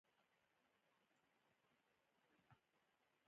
دا خبرې مې غوږو کې انګازې کړي